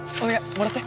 もらって。